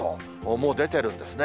もう出てるんですね。